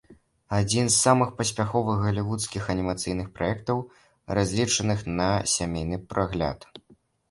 Адзін з самых паспяховых галівудскіх анімацыйных праектаў, разлічаных на сямейны прагляд.